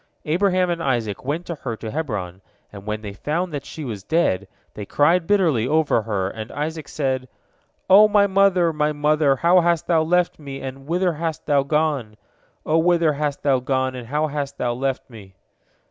Abraham and Isaac went to her to Hebron, and when they found that she was dead, they cried bitterly over her, and Isaac said: "O my mother, my mother, how hast thou left me, and whither hast thou gone? O whither hast thou gone, and how hast thou left me?"